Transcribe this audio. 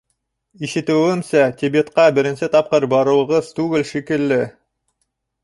— Ишетеүемсә, Тибетҡа беренсе тапҡыр барыуығыҙ түгел шикелле?